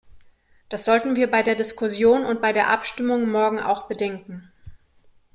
Das sollten wir bei der Diskussion und bei der Abstimmung morgen auch bedenken.